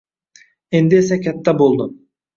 Endi esa katta boʻldim.